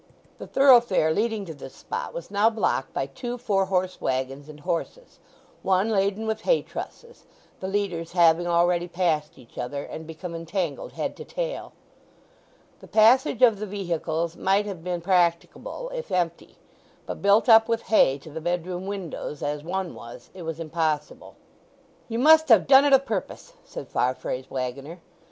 The thoroughfare leading to this spot was now blocked by two four horse waggons and horses, one laden with hay trusses, the leaders having already passed each other, and become entangled head to tail. The passage of the vehicles might have been practicable if empty; but built up with hay to the bedroom windows as one was, it was impossible. "You must have done it a' purpose!" said Farfrae's waggoner.